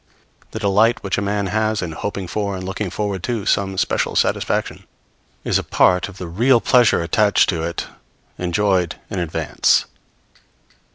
The delight which a man has in hoping for and looking forward to some special satisfaction is a part of the real pleasure attaching to it enjoyed in advance.